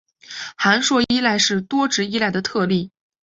函数依赖是多值依赖的特例。